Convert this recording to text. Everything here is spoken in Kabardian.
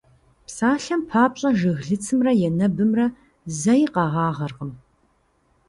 Псалъэм папщӀэ, жыглыцымрэ енэбымрэ зэи къэгъагъэркъым.